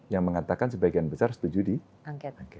yang mengatakan sebagian besar setuju di angkat